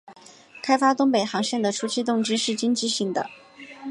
开发东北航线的初期动机是经济性的。